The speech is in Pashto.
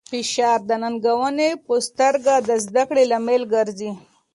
فشار د ننګونې په سترګه د زده کړې لامل ګرځي.